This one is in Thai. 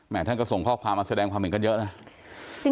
แหม่งท่านก็ส่งข้อความอักเสบนความเห็นกันเยอะนะ